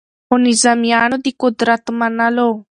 خو نظامیانو د قدرت منلو